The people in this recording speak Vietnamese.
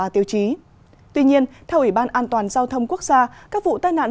tuy nhiên theo ủy ban an toàn giao thông quốc gia các vụ tai nạn